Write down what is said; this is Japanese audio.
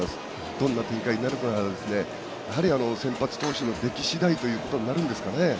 どんな展開になるかはですねやはり先発投手の出来次第ということになるんですかね。